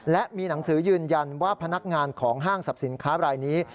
และมีหนังสือยืนยันว่าพนักงานของห้างสรรพสินค้ารายนี้